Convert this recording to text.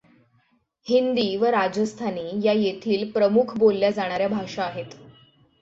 हिंदी व राजस्थानी या येथील प्रमुख बोलल्या जाणार् या भाषा आहेत.